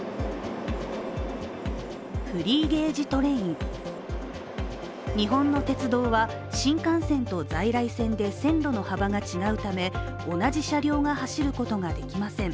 フリーゲージトレイン、日本の鉄道は新幹線と在来線で線路の幅が違うため、同じ車両が走ることができません。